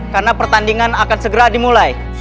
karena pertandingan akan segera dimulai